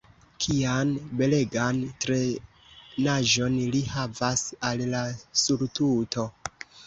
Kian belegan trenaĵon li havas al la surtuto!